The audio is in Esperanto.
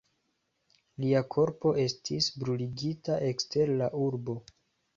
Lia korpo estis bruligita ekster la urbo.